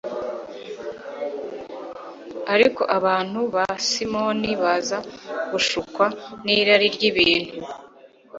ariko abantu ba simoni baza gushukwa n'irari ry'ibintu